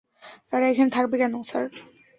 তারা এখানে থাকবে কেন, স্যার?